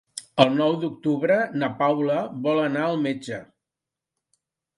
El nou d'octubre na Paula vol anar al metge.